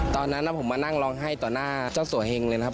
ตอนนั้นผมมานั่งร้องไห้ต่อหน้าเจ้าสัวเฮงเลยนะครับ